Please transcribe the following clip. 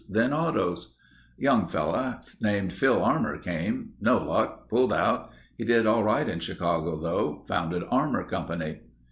Then autos. "Young fellow named Phil Armour came. No luck. Pulled out. He did all right in Chicago though. Founded Armour Company.